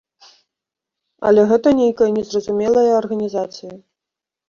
Але гэта нейкая незразумелая арганізацыя.